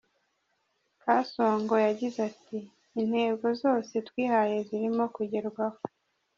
Kasongo yagize ati “Intego zose twihaye zirimo kugerwaho.